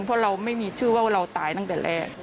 เพราะเราไม่มีชื่อว่าเราตายตั้งแต่แรก